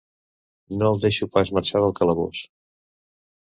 No el deixo pas marxar del calabós.